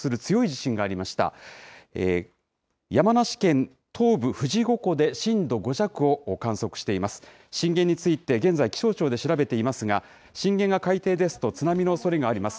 震源について、現在、気象庁で調べていますが、震源が海底ですと、津波のおそれがあります。